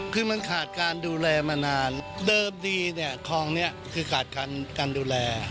คือมันขาดการดูแลมานานเดิมดีเนี่ยคลองนี้คือขาดการดูแล